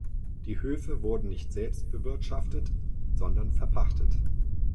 Die Höfe wurden nicht selbst bewirtschaftet, sondern verpachtet.